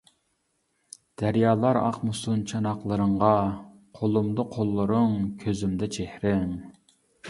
دەريالار ئاقمىسۇن چاناقلىرىڭغا قولۇمدا قوللىرىڭ، كۆزۈمدە چېھرىڭ.